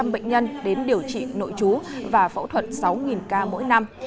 một trăm linh bệnh nhân đến điều trị nội chú và phẫu thuật sáu ca mỗi năm